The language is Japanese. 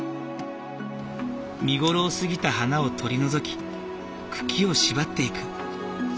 見頃を過ぎた花を取り除き茎を縛っていく。